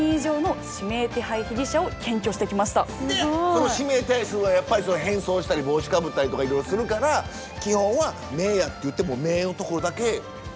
その指名手配するのはやっぱり変装したり帽子かぶったりとかいろいろするから基本は目やって言って目のところだけずっと見ている。